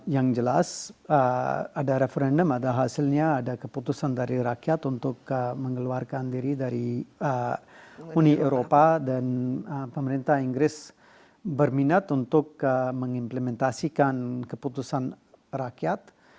yang jelas ada referendum ada hasilnya ada keputusan dari rakyat untuk mengeluarkan diri dari uni eropa dan pemerintah inggris berminat untuk mengimplementasikan keputusan rakyat